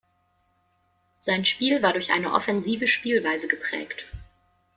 Sein Spiel war durch eine offensiven Spielweise geprägt.